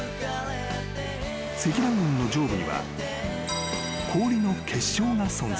［積乱雲の上部には氷の結晶が存在］